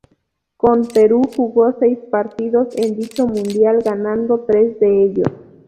Con Perú jugó seis partidos en dicho mundial, ganando tres de ellos.